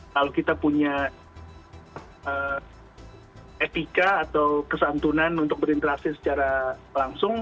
kalau kita punya etika atau kesantunan untuk berinteraksi secara langsung